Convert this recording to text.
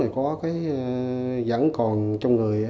vẫn còn trong người